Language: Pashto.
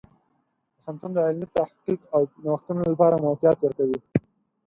پوهنتون د علمي تحقیق او نوښتونو لپاره موقعیت ورکوي.